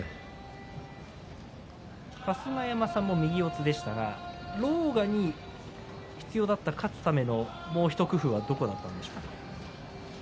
春日山さんも右四つでしたが狼雅に必要だった勝つためのもう一工夫はどこだったでしょうか。